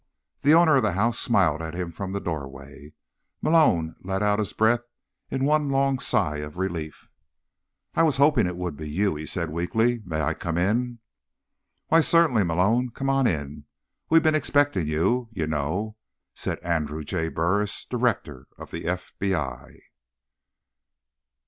The owner of the house smiled at him from the doorway. Malone let out his breath in one long sigh of relief. "I was hoping it would be you," he said weakly. "May I come in?" "Why, certainly, Malone. Come on in. We've been expecting you, you know," said Andrew J. Burris, director of the FBI.